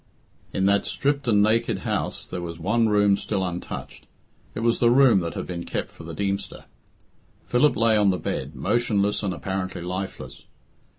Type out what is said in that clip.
In that stripped and naked house there was one room still untouched. It was the room that had been kept for the Deemster. Philip lay on the bed, motionless and apparently lifeless.